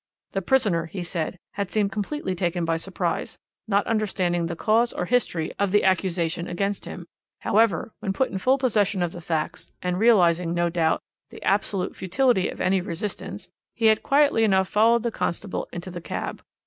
The prisoner, he said, had seemed completely taken by surprise, not understanding the cause or history of the accusation against him; however, when put in full possession of the facts, and realizing, no doubt, the absolute futility of any resistance, he had quietly enough followed the constable into the cab.